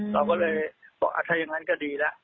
เราก็เลยบอกถ้าอย่างนั้นก็ดีแล้ว